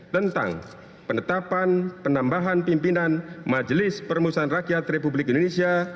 tentang penetapan penambahan pimpinan majelis permusuhan rakyat republik indonesia